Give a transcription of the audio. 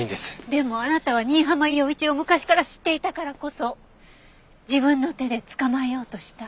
でもあなたは新浜陽一を昔から知っていたからこそ自分の手で捕まえようとした。